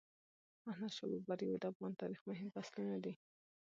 د احمدشاه بابا بریاوي د افغان تاریخ مهم فصلونه دي.